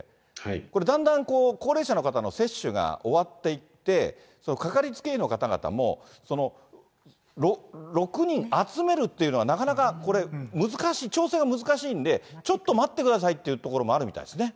これ、だんだん高齢者の方の接種が終わっていって、掛かりつけ医の方々も、６人集めるっていうのがなかなかこれ、難しい、調整が難しいんで、ちょっと待ってくださいというところもあるみたいですね。